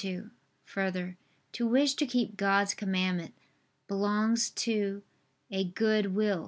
2: Further, to wish to keep God's commandment, belongs to a good will.